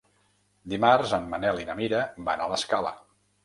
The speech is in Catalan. Dimarts en Manel i na Mira van a l'Escala.